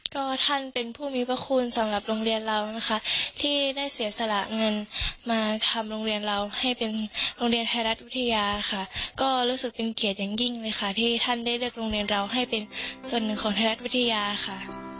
ก็ท่านเป็นผู้มีพระคุณสำหรับโรงเรียนเรานะคะที่ได้เสียสละเงินมาทำโรงเรียนเราให้เป็นโรงเรียนไทยรัฐวิทยาค่ะก็รู้สึกเป็นเกียรติอย่างยิ่งเลยค่ะที่ท่านได้เลือกโรงเรียนเราให้เป็นส่วนหนึ่งของไทยรัฐวิทยาค่ะ